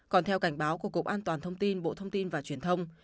còn theo cảnh báo của cục an toàn thông tin bộ thông tin và truyền thông